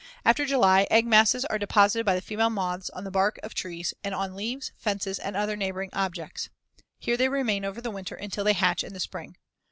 After July, egg masses are deposited by the female moths on the bark of trees, and on leaves, fences, and other neighboring objects. Here they remain over the winter until they hatch in the spring.